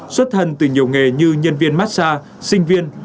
xuất thân từ nhiều nghề như nhân viên massage sinh viên